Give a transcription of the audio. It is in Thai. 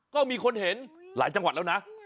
ก็มีคนเห็นหลายจังหวัดแล้วนะ